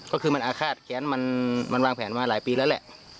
ก็คือมันอาฆาตแค้นมันวางแผนมาหลายปีแล้วแหละ